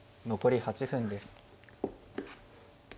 残り８分です。